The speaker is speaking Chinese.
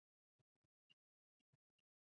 经过的铁路有拉滨铁路。